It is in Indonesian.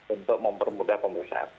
untuk mempermudah pemeriksaan